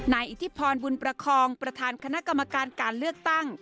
อิทธิพรบุญประคองประธานคณะกรรมการการเลือกตั้ง